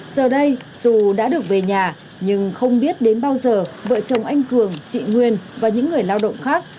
giờ đây dù đã được về nhà nhưng không biết đến bao giờ vợ chồng anh cường chị nguyên và những người lao động khác